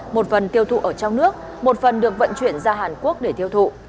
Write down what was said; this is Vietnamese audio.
một phần tiêu thụ ở trong nước một phần được vận chuyển ra hàn quốc để tiêu thụ